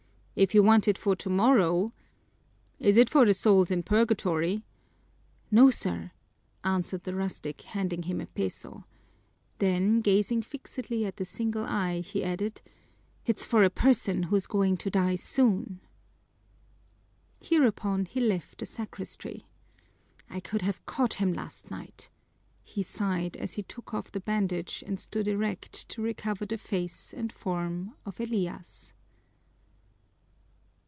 "If you want it for tomorrow is it for the souls in purgatory?" "No, sir," answered the rustic, handing him a peso. Then gazing fixedly at the single eye, he added, "It's for a person who's going to die soon." Hereupon he left the sacristy. "I could have caught him last night!" he sighed, as he took off the bandage and stood erect to recover the face and form of Elias.